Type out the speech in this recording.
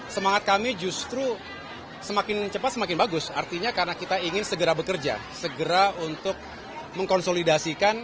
semangat kami justru semakin cepat semakin bagus artinya karena kita ingin segera bekerja segera untuk mengkonsolidasikan